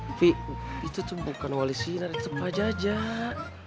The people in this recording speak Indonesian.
tapi itu tuh bukan wali sinar itu pak jajak